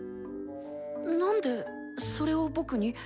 何でそれを僕に？